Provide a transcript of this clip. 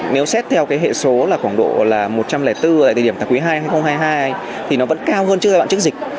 nếu xét theo cái hệ số là khoảng độ là một trăm linh bốn tại thời điểm tháng quý ii hai nghìn hai mươi hai thì nó vẫn cao hơn trước giai đoạn trước dịch